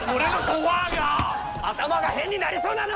頭が変になりそう！